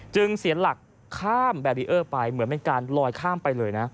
เสียหลักข้ามแบรีเออร์ไปเหมือนเป็นการลอยข้ามไปเลยนะ